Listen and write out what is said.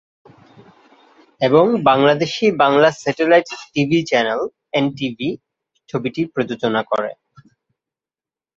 এবং Bangladeshi Bangla satellite TV channel NTV ছবিটি প্রযোজনা করে।